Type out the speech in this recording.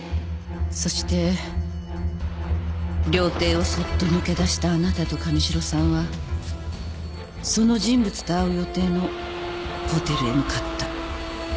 そして料亭をそっと抜け出したあなたと神代さんはその人物と会う予定のホテルへ向かった。